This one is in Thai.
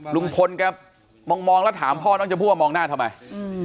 ลุงพลแกมองแล้วถามพ่อน้องชมพู่ว่ามองหน้าทำไม